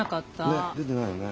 ねっ出てないよね。